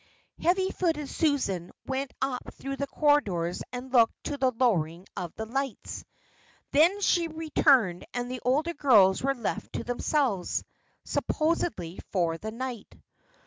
Heavy footed Susan went up through the corridors and looked to the lowering of the lights. Then she returned and the older girls were left to themselves supposedly for the night.